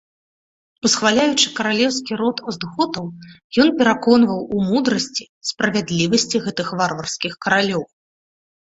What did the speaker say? Усхваляючы каралеўскі род остготаў, ён пераконваў у мудрасці, справядлівасці гэтых варварскіх каралёў.